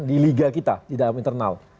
di liga kita di dalam internal